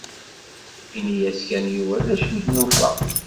Ini-as kan i Yuba d acu i d-nufa.